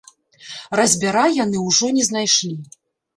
Разьбяра яны ўжо не знайшлі.